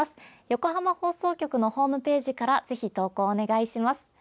横浜放送局のホームページからぜひ投稿お願いします。